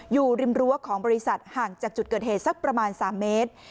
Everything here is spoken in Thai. อยู่ริมรั้วของบริษัทห่างจากจุดเกิดเหตุสักประมาณ๓เมตร